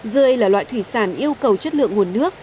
rươi là loại thủy sản yêu cầu chất lượng nguồn nước